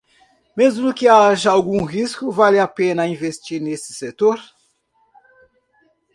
Mesmo que haja algum risco, vale a pena investir nesse setor.